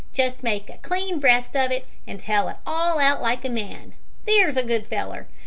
Just make a clean breast of it, an' tell it all out like a man, there's a good feller!